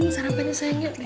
sarapannya sayangnya udah udah